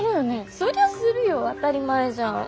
そりゃするよ当たり前じゃん。